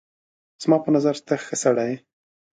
زما په نظر ته ښه سړی یې